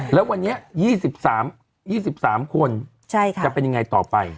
แล้ววันนี้๒๓คนจะเป็นยังไงต่อไป